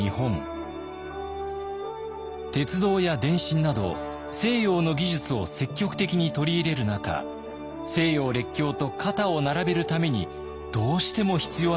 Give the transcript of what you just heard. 鉄道や電信など西洋の技術を積極的に取り入れる中西洋列強と肩を並べるためにどうしても必要なものがありました。